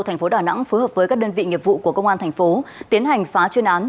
thành phố đà nẵng phối hợp với các đơn vị nghiệp vụ của công an thành phố tiến hành phá chuyên án